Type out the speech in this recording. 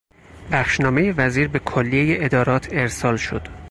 بخشنامهی وزیر به کلیهی ادارات ارسال شد.